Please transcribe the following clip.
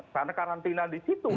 karena karantina di situ